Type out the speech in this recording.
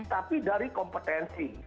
tapi dari kompetensi